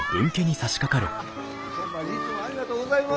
ホンマにいつもありがとうございます。